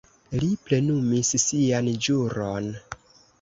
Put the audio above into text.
Li plenumis sian ĵuron.